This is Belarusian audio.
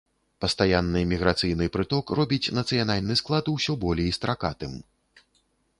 Пастаянны міграцыйны прыток робіць нацыянальны склад усё болей стракатым.